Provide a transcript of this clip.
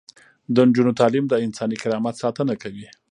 د نجونو تعلیم د انساني کرامت ساتنه کوي.